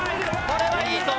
これはいいぞ。